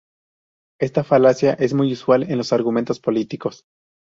Esta falacia es muy usual en los argumentos políticos.